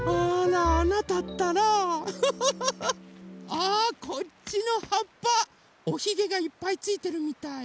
あこっちのはっぱおひげがいっぱいついてるみたい。